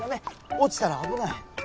落ちたら危ない。